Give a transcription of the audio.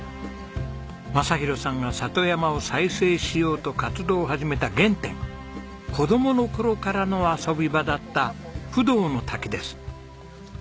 雅啓さんが里山を再生しようと活動を始めた原点子供の頃からの遊び場だった不動の滝です。